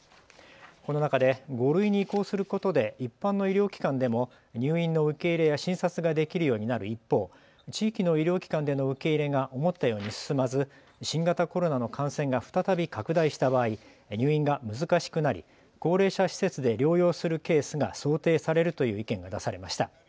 この中で５類に移行することで一般の医療機関でも入院の受け入れや診察ができるようになる一方、地域の医療機関での受け入れが思ったように進まず新型コロナの感染が再び拡大した場合、入院が難しくなり高齢者施設で療養するケースが想定されるという意見が出されました。